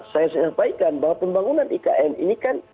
saya sampaikan bahwa pembangunan ikn ini kan